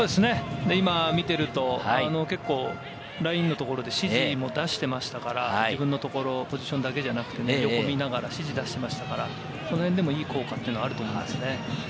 今、見ているとラインのところで指示も出していましたから、自分のところ、ポジションだけじゃなくて、横目を見ながら指示を出しましたから、その辺でもいい効果はあると思いますね。